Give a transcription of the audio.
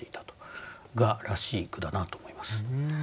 蛾らしい句だなと思います。